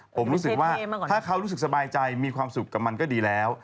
ผมรู้สึกว่าถ้าเขารู้สึกสบายใจมีความสุขกับมันก็ดีแล้ว